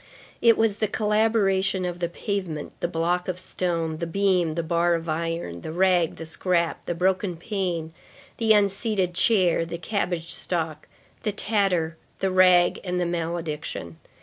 It was the collaboration of the pavement, the block of stone, the beam, the bar of iron, the rag, the scrap, the broken pane, the unseated chair, the cabbage stalk, the tatter, the rag, and the malediction.